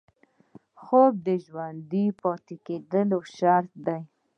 خوب د ژوندي پاتې کېدو شرط دی